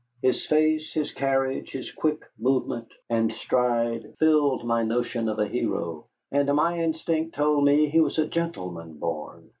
His face, his carriage, his quick movement and stride filled my notion of a hero, and my instinct told me he was a gentleman born.